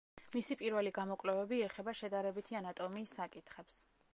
მისი პირველი გამოკვლევები ეხება შედარებითი ანატომიის საკითხებს.